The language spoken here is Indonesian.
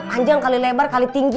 panjang kali lebar kali tinggi